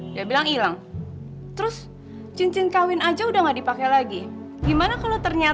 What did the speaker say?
sampai jumpa di video selanjutnya